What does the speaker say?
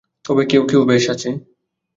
তবে কেউ কেউ বেশ আছে।